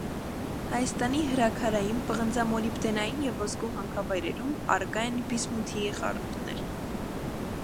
Հայաստանի հրաքարային, պղնձամոլիբդենային և ոսկու հանքավայրերում առկա են բիսմութիի խառնուրդներ։